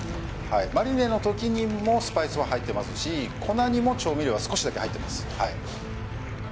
マリネの時にもスパイスは入ってますし粉にも調味料は少しだけ入ってます